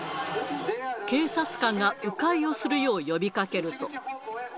警察官がう回をするよう呼びかけると。